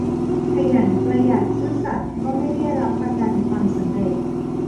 ขยัน ประหยัด ซื่อสัตย์ ก็ไม่ได้รับประกันความสำเร็จ